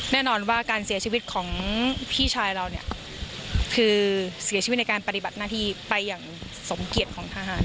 แน่นอนว่าการเสียชีวิตของพี่ชายเราเนี่ยคือเสียชีวิตในการปฏิบัติหน้าที่ไปอย่างสมเกียจของทหาร